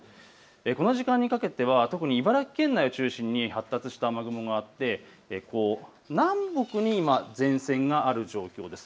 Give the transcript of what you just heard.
この時間にかけては特に茨城県内を中心に発達した雨雲があって南北に前線がある状況です。